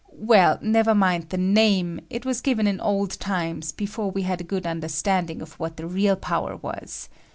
Well, never mind the name ; it was given in old times, before we had a good understanding of what "the real power was.